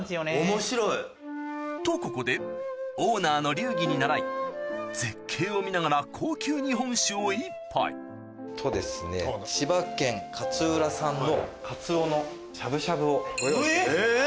面白い。とここでオーナーの流儀に倣い絶景を見ながら高級日本酒を１杯千葉県勝浦産のカツオのしゃぶしゃぶをご用意して。